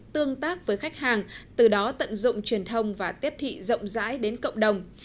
tương tác với khách hàng từ đó tận dụng truyền thông và tiếp thị rộng rãi đến cộng đồng